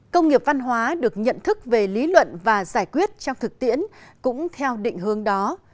công nghiệp văn hóa được nhận thức về lý luận và giải quyết trong thực tiễn cũng theo định hướng đó